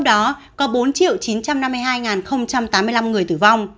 trong đó có bốn chín trăm năm mươi hai tám mươi năm người tử vong